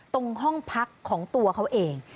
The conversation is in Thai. ตรงห้องพักของตัวเขาเอง